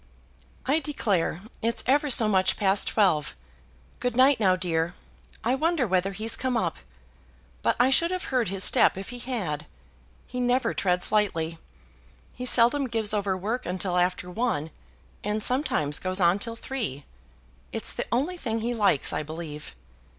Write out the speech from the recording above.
"I declare it's ever so much past twelve. Good night, now, dear. I wonder whether he's come up. But I should have heard his step if he had. He never treads lightly. He seldom gives over work till after one, and sometimes goes on till three. It's the only thing he likes, I believe.